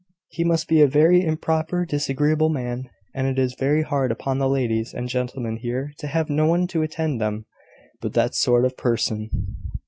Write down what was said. He must be a very improper, disagreeable man. And it is very hard upon the ladies and gentlemen here to have no one to attend them but that sort of person."